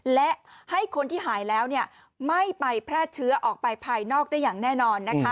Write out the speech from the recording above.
และให้คนที่หายแล้วไม่ไปแพร่เชื้อออกไปภายนอกได้อย่างแน่นอนนะคะ